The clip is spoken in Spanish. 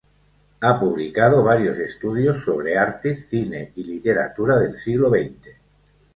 Ha publicado varios estudios sobre arte, cine y literatura del siglo xx.